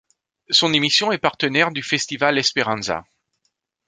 Son émission est partenaire du festival Esperanzah!.